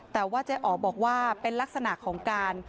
แต่ว่าเจ๊อ๋อบอกว่าเป็นลักษณะของการ